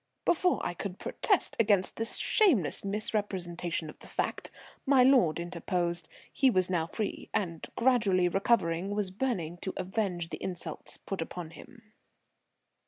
Before I could protest against this shameless misrepresentation of the fact, my lord interposed. He was now free, and, gradually recovering, was burning to avenge the insults put upon him.